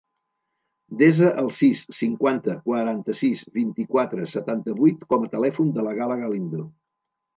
Desa el sis, cinquanta, quaranta-sis, vint-i-quatre, setanta-vuit com a telèfon de la Gala Galindo.